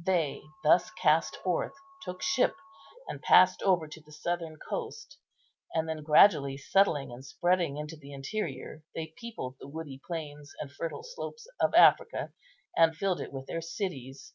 They, thus cast forth, took ship, and passed over to the southern coast; and then, gradually settling and spreading into the interior, they peopled the woody plains and fertile slopes of Africa, and filled it with their cities.